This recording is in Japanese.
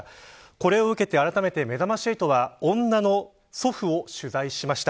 これを受けてめざまし８があらためて女の祖父を取材しました。